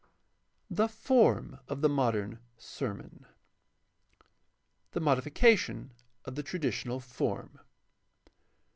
7. THE FORM OF THE MODERN SERMON The modification of the traditional form.